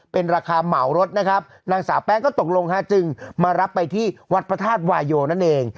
เป็นราคาเหมารถนะครับนางสาวแป้งก็ตกลงฮะจึงมารับไปที่วัดพระธาตุวายโยนั่นเอง